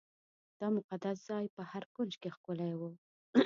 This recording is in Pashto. دا مقدس ځای په هر کونج کې ښکلی و.